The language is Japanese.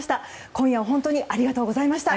今夜は本当にありがとうございました。